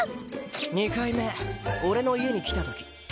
２回目俺の家に来た時。